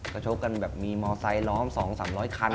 ก็โชคกันแบบมีมอเซอร์ไซล้อม๒๓๐๐คัน